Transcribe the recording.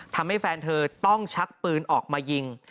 ทำให้แฟนเธอต้องชักปืนออกมายิง